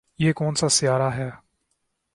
یہ کون سا سیارہ ہے